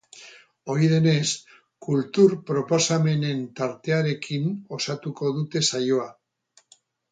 Ohi denez, kultur proposamenen tartearekin osatuko dute saioa.